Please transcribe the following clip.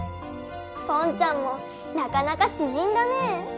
ぽんちゃんもなかなか詩人だねえ。